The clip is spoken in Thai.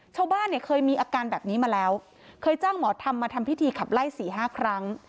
ชาวบ้านเนี่ยเคยมีอาการแบบนี้มาแล้วเคยจ้างหมอธรรมมาทำพิธีขับไล่สี่ห้าครั้ง